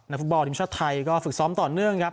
ฟุตบอลทีมชาติไทยก็ฝึกซ้อมต่อเนื่องครับ